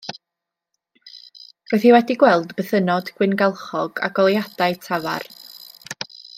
Roedd hi wedi gweld bythynnod gwyngalchog a goleuadau tafarn.